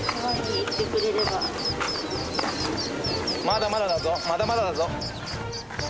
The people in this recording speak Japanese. まだまだだぞまだまだだぞ。